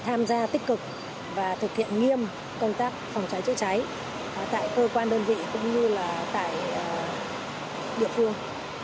tham gia tích cực và thực hiện nghiêm công tác phòng cháy chữa cháy tại cơ quan đơn vị cũng như là tại địa phương